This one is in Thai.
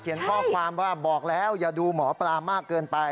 ข้อความว่าบอกแล้วอย่าดูหมอปลามากเกินไป